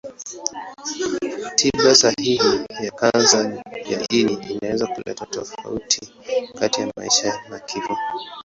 Tiba sahihi ya kansa ya ini inaweza kuleta tofauti kati ya maisha na kifo.